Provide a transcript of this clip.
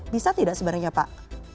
bisa tidak sebenarnya pak